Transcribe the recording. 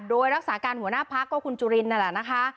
โดยรักษากาลหัวหน้าภักษ์ควรจูรินก็ละอ่ะนะคะ